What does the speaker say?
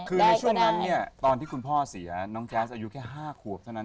คือในช่วงนั้นเนี่ยตอนที่คุณพ่อเสียน้องแจ๊สอายุแค่๕ขวบเท่านั้น